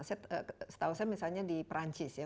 saya setahu saya misalnya di perancis ya